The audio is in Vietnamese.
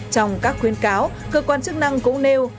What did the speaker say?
trong các khuyến cáo cơ quan chức năng cũng nêu